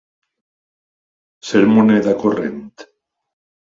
Ser moneda corrent.